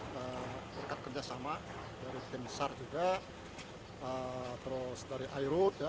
berkat kerjasama dari tim sar juga terus dari airud